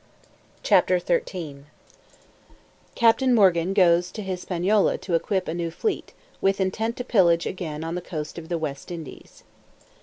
CHAPTER XIII _Captain Morgan goes to Hispaniola to equip a new fleet, with intent to pillage again on the coast of the West Indies.